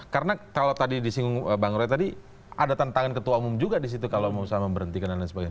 karena kalau tadi disinggung bang rory tadi ada tantangan ketua umum juga disitu kalau mau berhentikan dan sebagainya